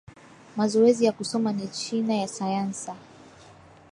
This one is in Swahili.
Mazowezi ya kusoma ni china ya sayansa